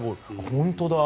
本当だ。